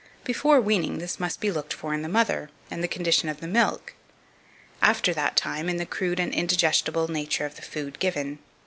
Before weaning, this must be looked for in the mother, and the condition of the milk; after that time, in the crude and indigestible nature of the food given.